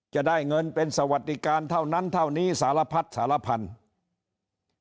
จะได้เงินเป็นสวัสดิการเท่านั้นเท่านี้สารพัดสารพันธุ์